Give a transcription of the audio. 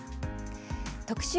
特集